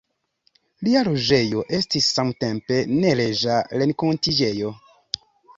Lia loĝejo estis samtempe neleĝa renkontiĝejo.